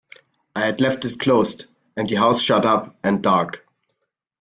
I had left it closed and the house shut up and dark.